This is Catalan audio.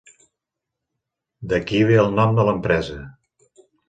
D'aquí ve el nom de l'empresa.